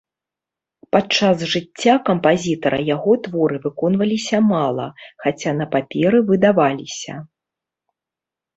Падчас жыцця кампазітара яго творы выконвалася мала, хаця на паперы выдаваліся.